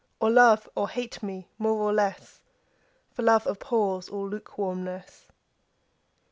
Or love or hate me more or less, 5 For love abhors all lukewarmness.